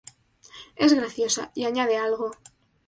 Es graciosa, y añade algo".